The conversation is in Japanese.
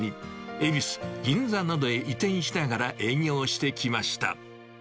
恵比寿、銀座などへ移転しながら営業してきました。